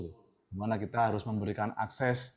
bagaimana kita harus memberikan akses